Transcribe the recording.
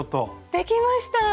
できました！